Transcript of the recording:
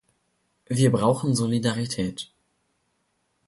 Wir brauchen Solidarität.